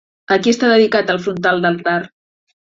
A qui està dedicat el frontal d'altar?